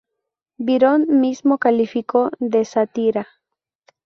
Byron mismo calificó de "sátira".